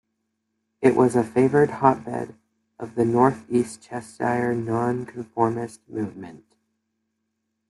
It was a favoured hotbed of the northeast Cheshire Non-conformist movement.